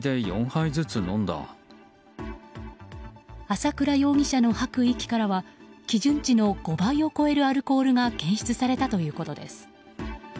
朝倉容疑者の吐く息からは基準値の５倍を超えるアルコールが検出されたということです。